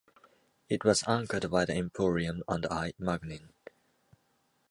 It was anchored by The Emporium and I. Magnin.